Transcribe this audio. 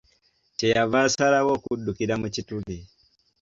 Kye yava asalawo okuddukira mu kituli.